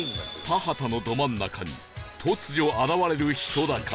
田畑のど真ん中に突如現れる人だかり！